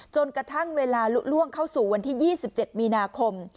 จนกระทั่งเวลาลุล่วงเข้าสู่วันที่๒๗มีนาคม